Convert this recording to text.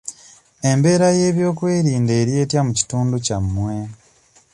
Embeera y'ebyokwerinda eri etya mu kitundu kyammwe.